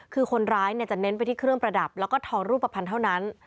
คือคนร้ายจะเน้นไปที่เครื่องประดับแล้วก็ทองรูปภัณฑ์เท่านั้น